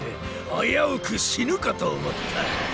あやうく死ぬかと思った！